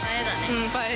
うん、映え。